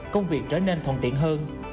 công việc trở nên thuận tiện hơn